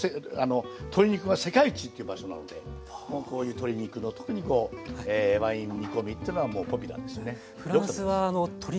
鶏肉が世界一っていう場所なのでもうこういう鶏肉の特にこうワイン煮込みっていうのはもうポピュラーですね。